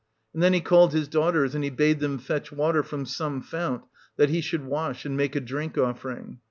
And then he called his daughters, and bade them fetch water from some fount, that he should wash, and make a drink offering.